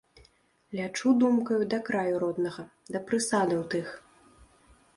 Лячу думкаю да краю роднага, да прысадаў тых.